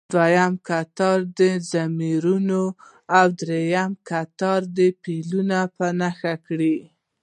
دویم کتار دې ضمیرونه او دریم دې فعلونه په نښه کړي.